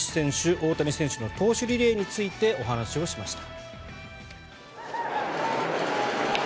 大谷選手の投手リレーについてお話をしました。